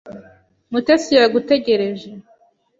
Mutesi yagutegereje.